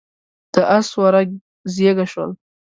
د اس ورږ زيږه شول.